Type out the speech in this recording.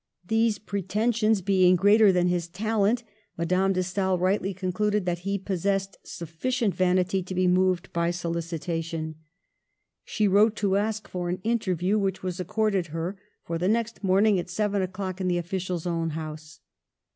These pre tensions being greater than his talent, Madame de Stael rightly concluded that he possessed suf ficient vanity to be moved by solicitation* She wrote to ask for an interview, which was accord ed her for the next morning at 7 o'clock in the official's own house.